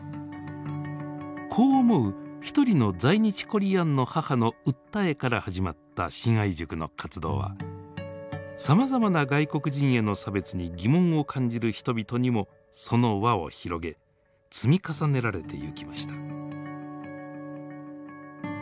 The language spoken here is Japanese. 子を思う一人の在日コリアンの母の訴えから始まった信愛塾の活動はさまざまな外国人への差別に疑問を感じる人々にもその輪を広げ積み重ねられてゆきました。